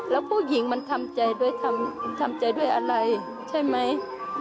แล้วผู้หญิงมันทำใจด้วยอะไรใช่ไหม